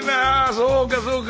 そうかそうか。